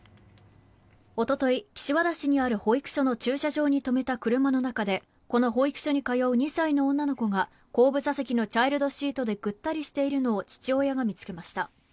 おととい、岸和田市にある保育所の駐車場に止めた車の中でこの保育所に通う２歳の女の子が後部座席のチャイルドシートでぐったりしているのを父親が見つけました。